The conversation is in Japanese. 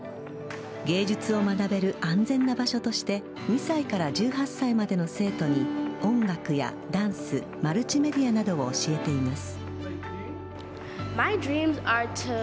芸術を学べる安全な場所として２歳から１８歳までの生徒に音楽やダンスマルチメディアなどを教えています。